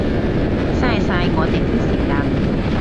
嘥晒我哋啲時間